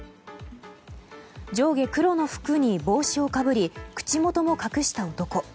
上下黒の服に帽子をかぶり口元も隠した男。